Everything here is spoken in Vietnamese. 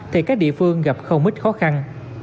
thì các địa phương gặp không ít khó khăn